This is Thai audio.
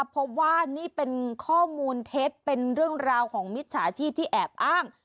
พบว่านี่เป็นข้อมูลเท็จเป็นเรื่องราวของมิจฉาชีพที่แอบอ้าง